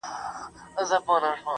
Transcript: او ستا د ښكلي شاعرۍ په خاطر.